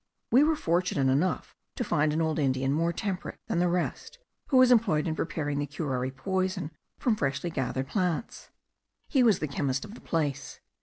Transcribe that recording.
We were fortunate enough to find an old Indian more temperate than the rest, who was employed in preparing the curare poison from freshly gathered plants. He was the chemist of the place.